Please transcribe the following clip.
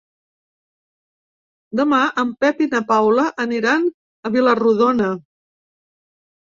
Demà en Pep i na Paula aniran a Vila-rodona.